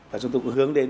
và chúng tôi cũng hướng đến